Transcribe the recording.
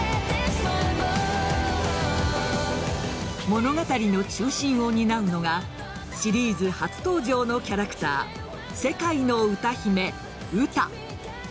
物語の中心を担うのがシリーズ初登場のキャラクター世界の歌姫・ウタ。